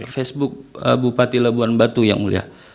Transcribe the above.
facebook bupati labuan batu yang mulia